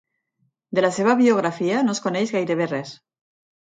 De la seva biografia no es coneix gairebé res.